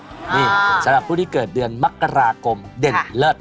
นี่สำหรับผู้ที่เกิดเดือนมกราคมเด่นเลิศ